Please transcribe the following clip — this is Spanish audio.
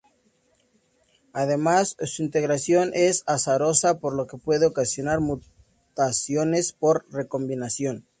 Además, su integración es azarosa, por lo que puede ocasionar mutaciones por recombinación.